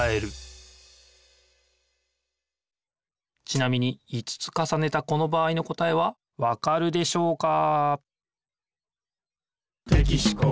ちなみに５つかさねたこの場合の答えはわかるでしょうか？